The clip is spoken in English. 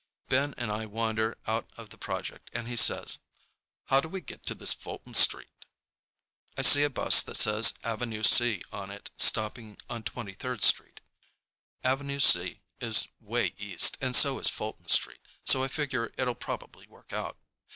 Ben and I wander out of the project and he says, "How do we get to this Fulton Street?" I see a bus that says "Avenue C" on it stopping on Twenty third Street. Avenue C is way east, and so is Fulton Street, so I figure it'll probably work out.